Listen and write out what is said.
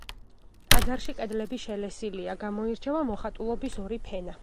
ტაძარში კედლები შელესილია, გამოირჩევა მოხატულობის ორი ფენა.